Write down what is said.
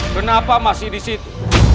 kenapa masih disitu